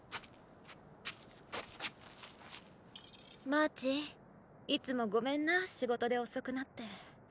マーチいつもごめんな仕事で遅くなって。